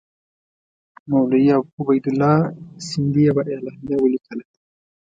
مولوي عبیدالله سندي یوه اعلامیه ولیکله.